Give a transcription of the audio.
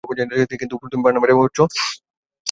কিন্তু তুমি পার্মানেন্ট হয়েছ মাত্র আট বছর হলো।